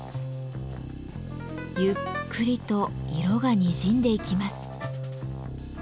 ゆっくりと色がにじんでいきます。